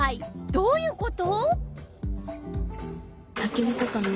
どういうこと？